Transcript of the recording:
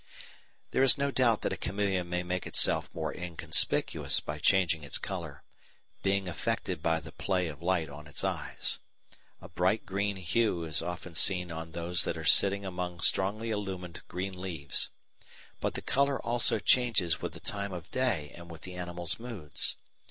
There is no doubt that a chameleon may make itself more inconspicuous by changing its colour, being affected by the play of light on its eyes. A bright green hue is often seen on those that are sitting among strongly illumined green leaves. But the colour also changes with the time of day and with the animal's moods.